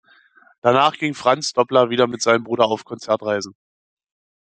Danach ging Franz Doppler wieder mit seinem Bruder auf Konzertreisen.